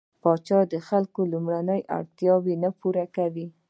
پاچا د خلکو لومړنۍ اړتياوې نه پوره کوي.